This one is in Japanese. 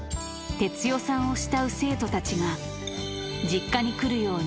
哲代さんを慕う生徒たちが実家に来るように。